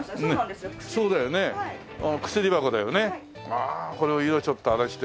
ああこれ色ちょっとあれして。